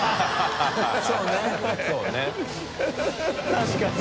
確かに。